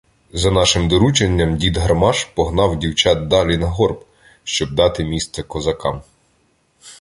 За нашим дорученням дід Гармаш "погнав" дівчат далі на горб, щоб дати місце козакам.